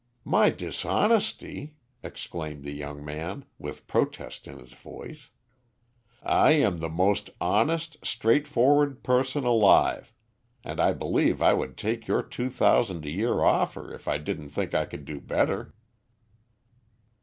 "My dishonesty!" exclaimed the young man, with protest in his voice. "I am the most honest, straightforward person alive, and I believe I would take your two thousand a year offer if I didn't think I could do better."